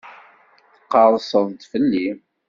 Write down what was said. Tqerrseḍ-d fell-i.